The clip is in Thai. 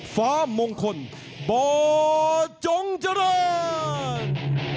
ฟ้ามงคลบอร์จงจริง